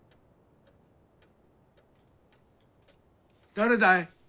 誰だい？